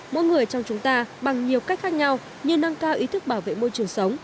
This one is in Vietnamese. mỗi người trong chúng ta bằng nhiều cách khác nhau như nâng cao ý thức bảo vệ môi trường sống